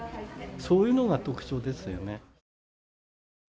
そういうのが特徴ですよね。